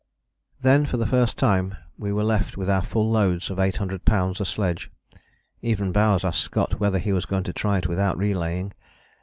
] Then for the first time we were left with our full loads of 800 lbs. a sledge. Even Bowers asked Scott whether he was going to try it without relaying.